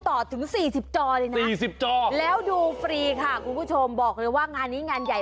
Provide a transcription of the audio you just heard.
ต่อถึง๔๐จอเลยนะ๔๐จอแล้วดูฟรีค่ะคุณผู้ชมบอกเลยว่างานนี้งานใหญ่